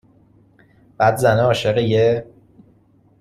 بعد زنه عاشق یه